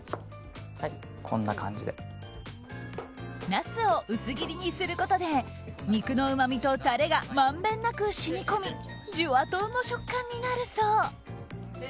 ナスは薄切りにすることで肉のうまみとタレがまんべんなく染み込みジュワトロの食感になるそう。